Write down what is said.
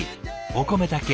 お米だけ。